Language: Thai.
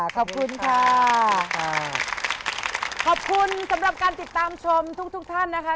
ขอบคุณค่ะขอบคุณสำหรับการติดตามชมทุกทุกท่านนะคะ